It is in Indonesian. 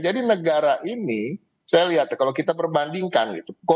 jadi negara ini saya lihat kalau kita perbandingkan